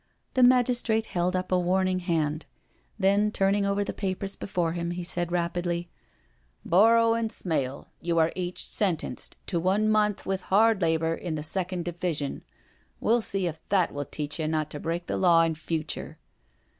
The magistrate held up a warning hand. Then turning over the papers before him he said rapidly: " Borrow and Smale, you are each sentenced to one month with hard labour in the second division. We'll see if that will teach you not to break the law in future.